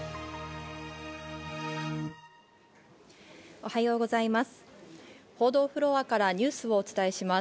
おはようございます。